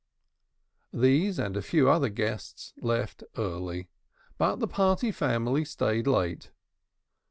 These and a few other guests left early. But the family party stayed late.